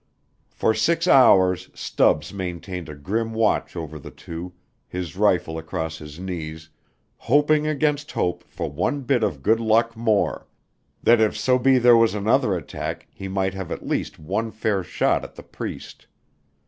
For six hours Stubbs maintained a grim watch over the two, his rifle across his knees, hoping against hope for one bit of good luck more that if so be there was another attack, he might have at least one fair shot at the Priest.